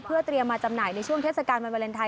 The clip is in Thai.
เพื่อเตรียมมาจำหน่ายในช่วงเทศกาลวันวาเลนไทย